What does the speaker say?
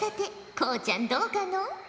こうちゃんどうかのう？